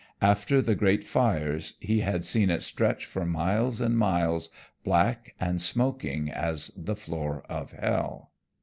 After the great fires he had seen it stretch for miles and miles, black and smoking as the floor of hell.